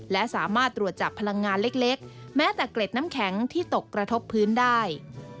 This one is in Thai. และสามารถตรวจจับพลังงานเล็กแม้แต่เกร็ดน้ำแข็งที่ตกกระทบพื้นได้